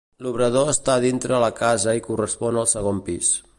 L'obrador està dintre la casa i correspon al segon pis.